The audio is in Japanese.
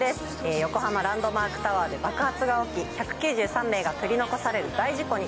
横浜のランドマークタワーで爆発が起き、１９３名が取り残される大事故に。